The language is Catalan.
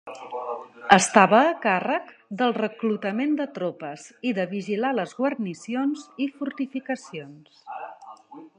Estava a càrrec del reclutament de tropes i de vigilar les guarnicions i fortificacions.